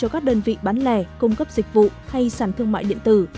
các đơn vị bán lẻ cung cấp dịch vụ hay sản thương mại điện tử